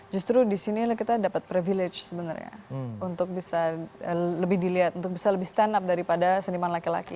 justru disini kan dapat privilege sebenarnya untuk bisa lebih dilihat bisa stand up daripada seniman laki laki